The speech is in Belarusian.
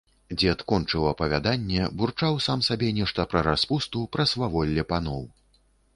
Дзед кончыў апавяданне, бурчаў сам сабе нешта пра распусту, пра сваволле паноў.